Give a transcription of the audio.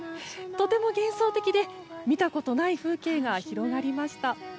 とても幻想的で見たことない風景が広がりました。